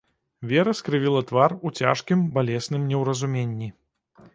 Вера скрывіла твар у цяжкім балесным неўразуменні.